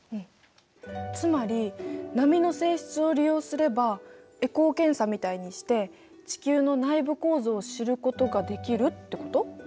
つまり波の性質を利用すればエコー検査みたいにして地球の内部構造を知ることができるってこと？